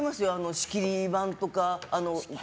仕切り版とか。